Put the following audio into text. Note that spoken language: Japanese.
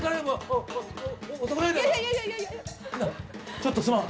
ちょっとすまん。